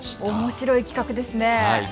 おもしろい企画ですね。